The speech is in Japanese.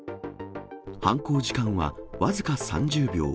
犯行時間は僅か３０秒。